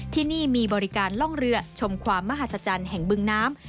ที่นี่มีบริการล่องเรือชมความมหัศจรรย์แห่งบึงน้ำ